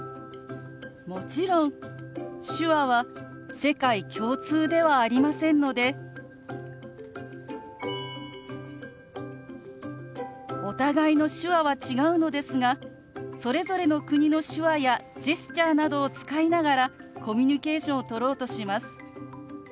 もちろん手話は世界共通ではありませんのでお互いの手話は違うのですがそれぞれの国の手話やジェスチャーなどを使いながらコミュニケーションをとろうとします。